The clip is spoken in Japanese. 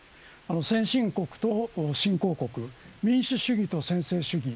先進国と新興国民主主義と専制主義